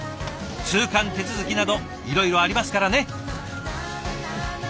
通関手続きなどいろいろありますからね。